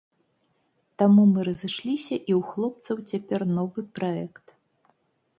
Таму мы разышліся і ў хлопцаў цяпер новы праект.